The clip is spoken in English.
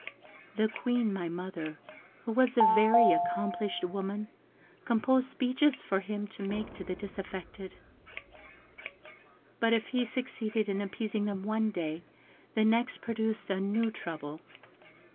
The Queen, my mother, who was a very accomplished woman, composed speeches for him to make to the disaffected; but if he succeeded in appeasing them one day, the next produced a new trouble.